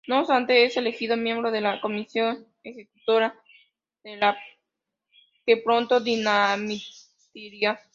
No obstante, es elegido miembro de la Comisión Ejecutiva, de la que pronto dimitiría.